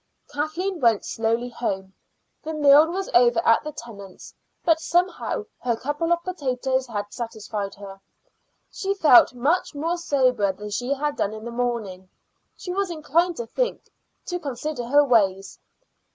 Kathleen went slowly home. The meal was over at the Tennants', but somehow her couple of potatoes had satisfied her. She felt much more sober than she had done in the morning; she was inclined to think, to consider her ways.